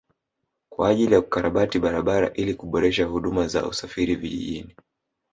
Kwa ajili ya kukarabati barabara ili kuboresha huduma za usafiri vijijini